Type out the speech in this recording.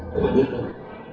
tôi biết thôi